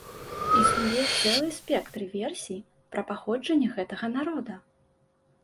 Існуе цэлы спектр версій пра паходжанне гэтага народа.